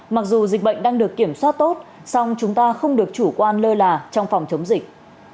mặc dù dịch bệnh đang được kiểm soát tốt song chúng ta không được chủ quan lơ là trong phòng chống dịch